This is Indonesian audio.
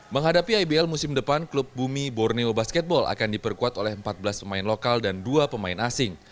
menghadapi ibl musim depan klub bumi borneo basketball akan diperkuat oleh empat belas pemain lokal dan dua pemain asing